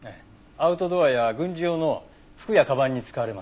アウトドアや軍事用の服やカバンに使われます。